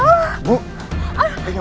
ibu ibu gak apa apa